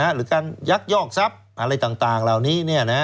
หรือการยักยอกทรัพย์อะไรต่างเหล่านี้